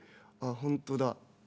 あほんとだ。